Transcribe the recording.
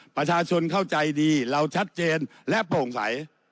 ประชาชนเข้าใจดีเราชัดเจนและโปร่งใส